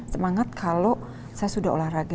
semangat kalau saya sudah olahraga